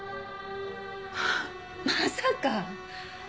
まさか！